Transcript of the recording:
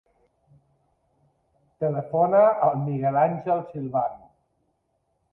Telefona al Miguel àngel Silvan.